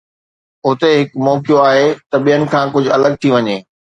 اتي هڪ موقعو آهي ته ٻين کان ڪجهه الڳ ٿي وڃي